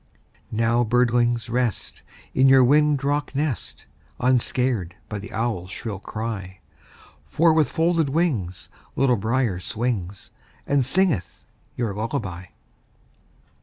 Now, birdlings, rest, In your wind rocked nest, Unscared by the owl's shrill cry; For with folded wings Little Brier swings, And singeth your lullaby.